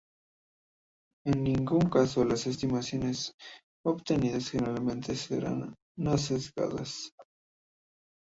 En ningún caso las estimaciones obtenidas generalmente serán no sesgadas.